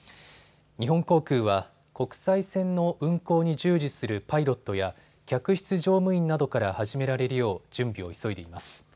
日本航空は国際線の運航に従事するパイロットや客室乗務員などから始められるよう準備を急いでいます。